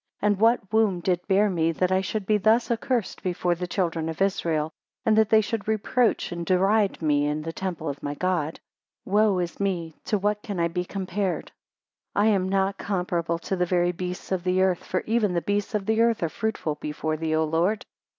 and what womb did bear me, that I should be thus accursed before the children of Israel, and that they should reproach and deride me in the temple of my God: Wo is me, to what can I be compared? 3 I am not comparable to the very beasts of the earth, for even the beasts of the earth are fruitful before thee, O Lord!